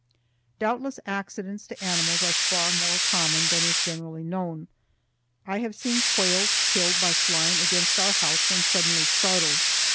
Doubtless accidents to animals are far more common than is generally known. I have seen quails killed by flying against our house when suddenly startled.